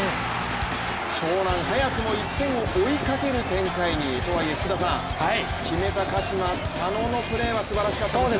湘南、早くも１点を追いかける展開に。とはいえ福田さん、決めた鹿島・佐野のシュートはすばらしかったですね。